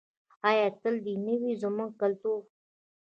آیا تل دې نه وي زموږ کلتور؟